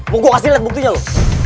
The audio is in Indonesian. mau gua kasih liat buktinya lu